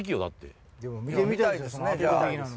見てみたいですね。